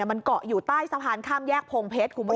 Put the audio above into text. มันเกาะอยู่ใต้สะพานข้ามแยกโพงเพชรคุณผู้ชม